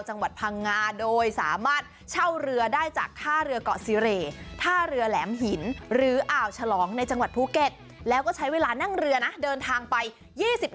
จังหวัดพังงาโดยสามารถเช่าเรือได้จากท่าเรือก็ซิเหรฐะเรือแหลมหินหรืออ่าวเจาะว่าภูเก็ตแล้วก็ใช้เวลานั่งเรือนะเดินทางไป๒๐นาทีเท่านั้น